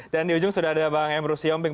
dan di ujung sudah ada bang emru siyomping